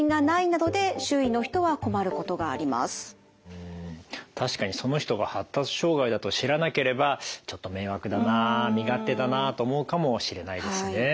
うん確かにその人が発達障害だと知らなければちょっと迷惑だな身勝手だなと思うかもしれないですね。